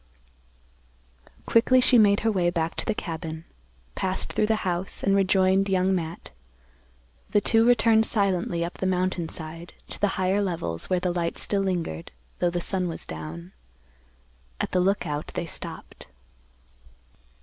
Quickly she made her way back to the cabin, passed through the house, and rejoined Young Matt. The two returned silently up the mountain side, to the higher levels, where the light still lingered, though the sun was down. At the Lookout they stopped.